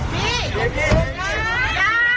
พี่อย่า